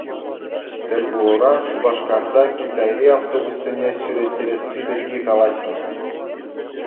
Тӗлпулура Шупашкарта Китайри автобуссене ҫӳреттересси пирки калаҫнӑ.